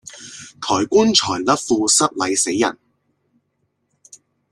抬棺材甩褲失禮死人